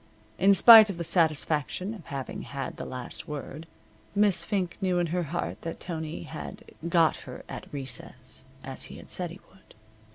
In spite of the satisfaction of having had the last word, Miss Fink knew in her heart that Tony had "got her at recess," as he had said he would.